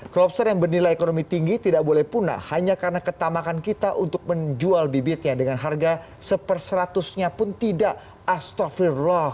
klopster yang bernilai ekonomi tinggi tidak boleh punah hanya karena ketamakan kita untuk menjual bibitnya dengan harga seper seratusnya pun tidak astaffirllah